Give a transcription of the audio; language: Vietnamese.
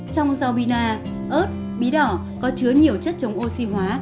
trong rau bina ớt bí đỏ có chứa nhiều chất trống oxy hóa